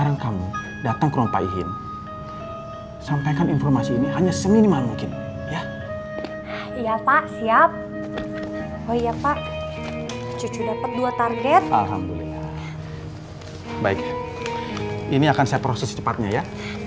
ini akan saya proses cepatnya ya